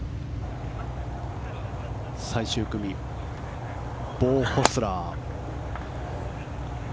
最終組、ボウ・ホスラー。